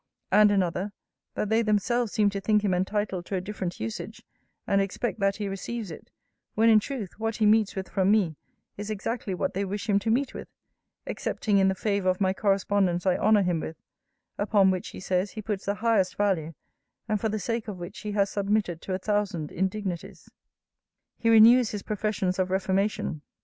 And another, that they themselves seem to think him entitled to a different usage, and expect that he receives it; when, in truth, what he meets with from me is exactly what they wish him to meet with, excepting in the favour of my correspondence I honour him with; upon which, he says, he puts the highest value, and for the sake of which he has submitted to a thousand indignities. 'He renews his professions of reformation.